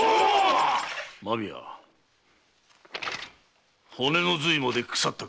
間宮骨の髄まで腐ったか。